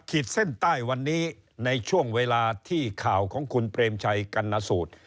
เส้นใต้วันนี้ในช่วงเวลาที่ข่าวของคุณเปรมชัยกรรณสูตร